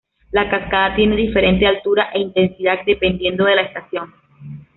La cascada tiene diferente altura e intensidad, dependiendo de la estación.